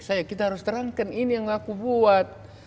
saya kita harus terangkan ini yang aku buat